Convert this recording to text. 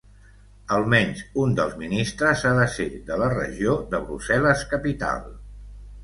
Almenys un dels ministres ha de ser de la Regió de Brussel·les-Capital.